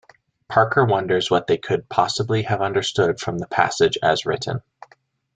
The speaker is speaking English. Parker wonders what they could possibly have understood from the passage as written.